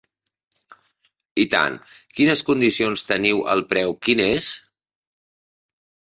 I tant, quines condicions teniu el preu quin és?